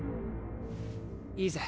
いいぜ。